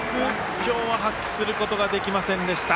今日は発揮することができませんでした。